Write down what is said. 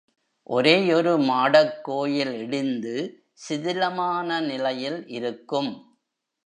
ஒரேயொரு மாடக்கோயில் இடிந்து சிதிலமான நிலையில் இருக்கும்.